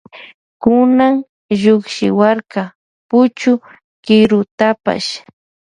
Kunan llukchiwarka puchu kirutapash.